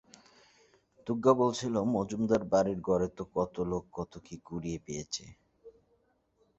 দুগগা বলছিল মজুমদার বাড়ির গড়ে তো কত লোক কত কি কুড়িয়ে পেয়েচে!